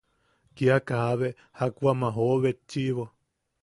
Kaa kiabe jak wam a jooʼo betchiʼibo.